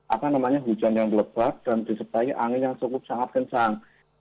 apa namanya hujan yang lebat dan disertai angin yang cukup sangat kencang